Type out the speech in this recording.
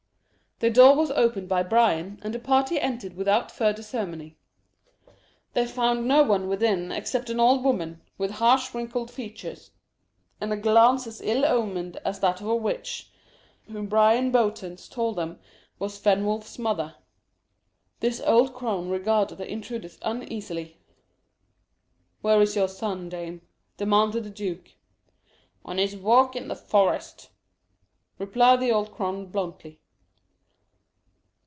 The door was opened by Bryan, and the party entered without further ceremony. They found no one within except an old woman, with harsh, wrinkled features, and a glance as ill omened as that of a witch, whom Bryan Bowntance told them was Fenwolf's mother. This old crone regarded the intruders uneasily. "Where is your son, dame?" demanded the duke. "On his walk in the forest," replied the old crone bluntly.